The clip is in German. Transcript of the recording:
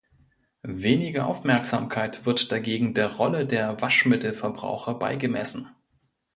Weniger Aufmerksamkeit wird dagegen der Rolle der Waschmittelverbraucher beigemessen.